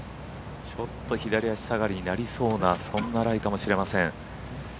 ちょっと左足下がりになりそうなそんなライかもしれません。